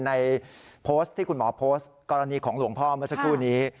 ในโพสต์ที่คุณหมอโพสต์กรณีของหลวงพ่อเมื่อสักครู่นี้